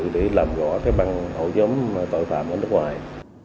để làm gõ các băng hộ giống tội phạm ở nước ngoài